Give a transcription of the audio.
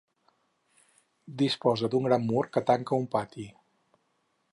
Disposa d'un gran mur que tanca un pati.